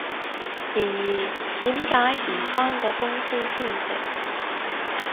然而，點解唔返到公司先食？